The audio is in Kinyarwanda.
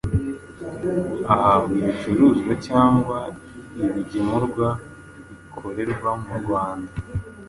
ahabwa ibicuruzwa cyangwa ibigemurwa bikorerwa mu Rwanda